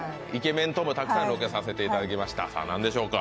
イケメンともたくさんロケさせていただきました。